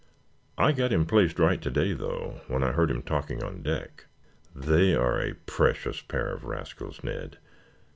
I got him placed right to day though, when I heard him talking on deck. They are a precious pair of rascals, Ned.